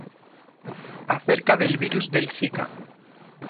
Acerca del virus del Zika